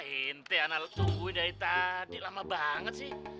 ini aja lu tunggu satu an yang lama banget sih